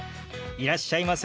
いらっしゃいませ。